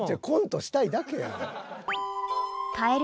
コントしたいだけやん。